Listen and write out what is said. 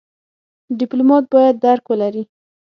ډيپلومات بايد درک ولري.